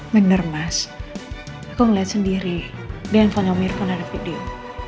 bener mas aku ngeliat sendiri dia nelfon om irfan ada video